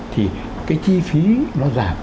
thì cái chi phí nó giảm